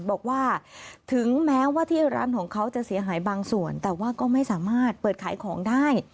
บอกว่าถึงแม้ว่าที่ร้านของเขาจะเสียหายบางส่วนแต่ว่าก็ไม่สามารถเปิดขายของได้